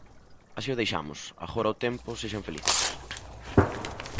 Así o deixamos; agora o tempo, sexan felices.